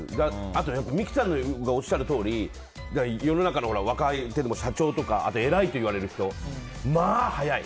あと三木さんがおっしゃるとおり世の中の若い社長とか偉いといわれる人、まあ早い。